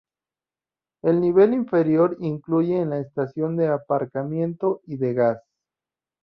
El nivel inferior incluye una estación de aparcamiento y de gas.